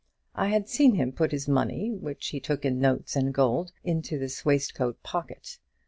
I had seen him put his money, which he took in notes and gold, into this waistcoat pocket.